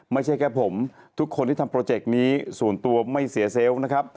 ไม่ใช่แค่ผมทุกคนที่ทำโปรเจกต์นี้ส่วนตัวไม่เสียเซลล์นะครับ